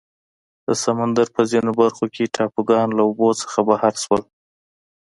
د سمندر په ځینو برخو کې ټاپوګان له اوبو څخه بهر شول.